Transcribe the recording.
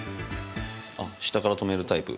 あっ下から留めるタイプ？